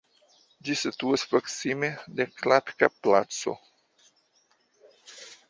Ĝi situas proksime de Klapka-Placo.